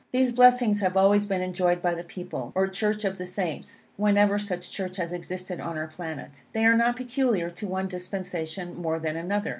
These blessings have always been enjoyed by the people, or Church of the Saints, whenever such Church has existed on our planet. They are not peculiar to one dispensation more than another.